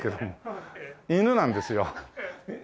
犬なんですよ。